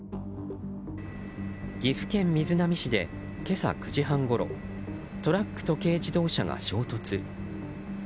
岐阜県瑞浪市で今朝９時半ごろトラックと軽自動車が衝突。